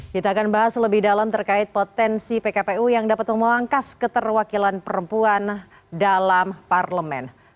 kita akan bahas lebih dalam terkait potensi pkpu yang dapat memangkas keterwakilan perempuan dalam parlemen